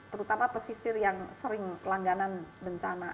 terutama pesisir yang sering langganan bencana